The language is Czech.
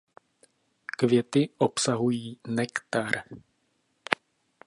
Květy obsahují nektar.